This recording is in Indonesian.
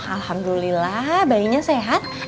alhamdulillah bayinya sehat